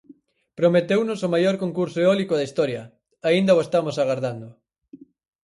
Prometeunos o maior concurso eólico da historia; aínda o estamos agardando.